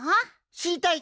しりたい！